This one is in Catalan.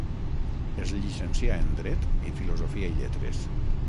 Es llicencià en Dret i Filosofia i Lletres.